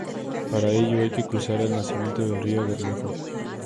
Para ello hay que cruzar el nacimiento del río Bermejo.